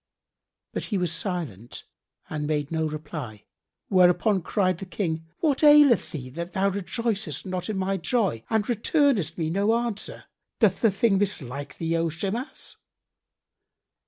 But he was silent and made no reply, whereupon cried the King, "What aileth thee that thou rejoicest not in my joy and returnest me no answer? Doth the thing mislike thee, O Shimas?"